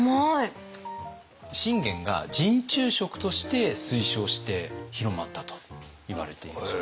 信玄が陣中食として推奨して広まったといわれているそうです。